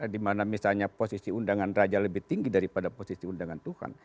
dimana misalnya posisi undangan raja lebih tinggi daripada posisi undangan tuhan